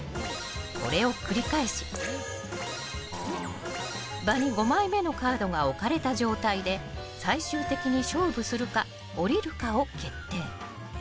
これを繰り返し、場に５枚目のカードが置かれた状態で最終的に勝負するか降りるかを決定。